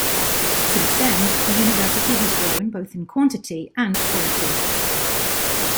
Since then, the university has grown both in quantity and quality.